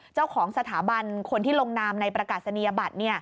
เจ้าของสถาบันคนที่ลงนามในประกาศนียบัตร